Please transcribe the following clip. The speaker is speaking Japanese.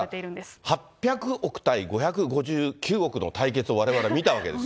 だから８００億対５５９億の対決をわれわれ見たわけですよ。